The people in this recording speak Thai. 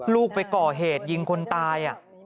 ลูกไปก่อเหตุยิงคนตาย